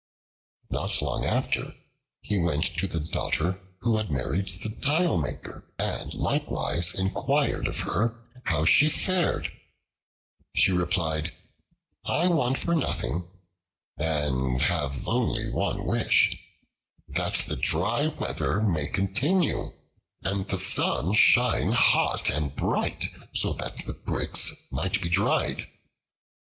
Not long after, he went to the daughter who had married the tilemaker, and likewise inquired of her how she fared; she replied, "I want for nothing, and have only one wish, that the dry weather may continue, and the sun shine hot and bright, so that the bricks might be dried."